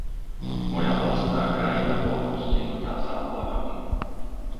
Moja vlastná krajina bola postihnutá záplavami.